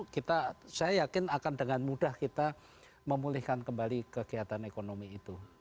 kita saya yakin akan dengan mudah kita memulihkan kembali kegiatan ekonomi itu